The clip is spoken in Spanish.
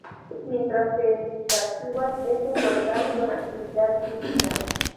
Mientras que el Iztaccíhuatl es un volcán con actividad sísmica.